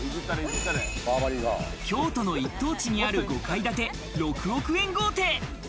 京都の一等地にある５階建て６億円豪邸。